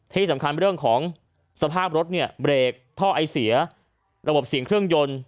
ที่สำคัญเรื่องของสภาพรถเนี่ยเบรกท่อไอเสียระบบเสียงเครื่องยนต์